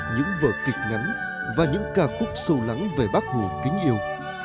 những vở kịch ngắn và những ca khúc sâu lắng về bác hồ kính yêu